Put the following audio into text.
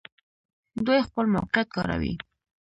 دوی خپل موقعیت کاروي.